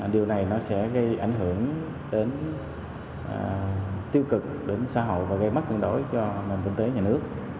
điều này nó sẽ gây ảnh hưởng đến tiêu cực đến xã hội và gây mất cân đối cho nền kinh tế nhà nước